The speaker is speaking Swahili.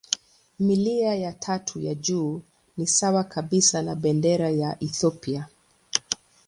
Milia ya tatu ya juu ni sawa kabisa na bendera ya Ethiopia.